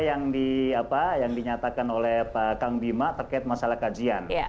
apa yang dinyatakan oleh pak kang bima terkait masalah kajian